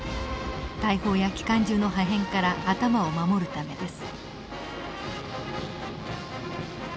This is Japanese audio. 大砲や機関銃の破片から頭を守るためです。